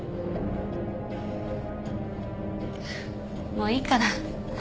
もういいから。